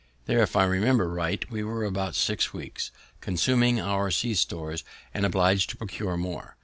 There, if I remember right, we were about six weeks, consuming our sea stores, and oblig'd to procure more.